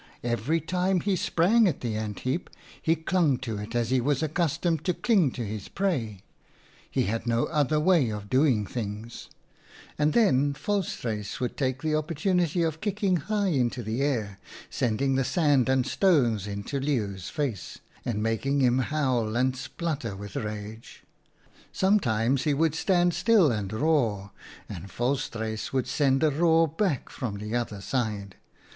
Every time he sprang at the ant heap he clung to it as he was accustomed to cling to his prey. He had no other way of doing things. And then Volstruis would take the opportunity of kicking high into the air, sending the sand and stones into Leeuw's face, and making him howl and splutter with rage. 38 OUTA KAREL'S STORIES " Sometimes he would stand still and roar, and Volstruis would send a roar back from the other side.